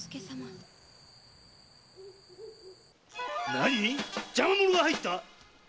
なにっ⁉邪魔者が入った？